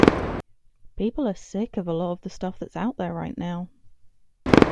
People are sick of a lot of the stuff that's out there right now.